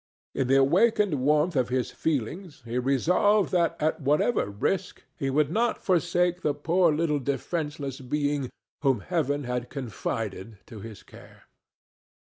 In the awakened warmth of his feelings he resolved that at whatever risk he would not forsake the poor little defenceless being whom Heaven had confided to his care.